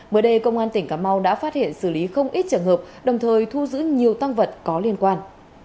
mới đây công an tỉnh cà mau đã phát hiện xử lý không ít trường hợp đồng thời thu giữ nhiều tăng vật có liên quan